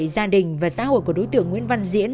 gia đình và xã hội của đối tượng nguyễn văn diễn